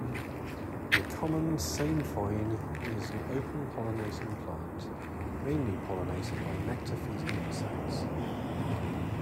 The common sainfoin is an open pollinating plant, mainly pollinated by nectar feeding insects.